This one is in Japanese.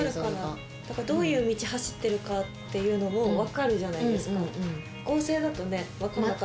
だからどういう道走ってるかっていうのも分かるじゃないですか合成だとね。